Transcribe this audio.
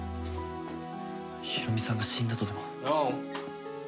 ヒロミさんが死んだとでも？